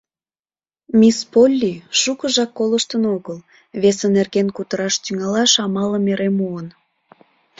Мисс Полли шукыжак колыштын огыл, весе нерген кутыраш тӱҥалаш амалым эре муын.